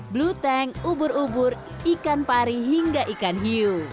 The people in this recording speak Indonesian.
bluteng ubur ubur ikan pari hingga ikan hiu